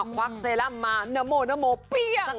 ควักเซรั่มมานโมนโมเปี้ยง